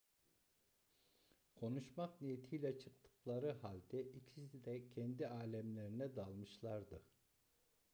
Konuşmak niyetiyle çıktıkları halde ikisi de kendi âlemlerine dalmışlardı.